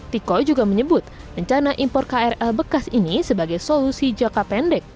tiko juga menyebut rencana impor krl bekas ini sebagai solusi jangka pendek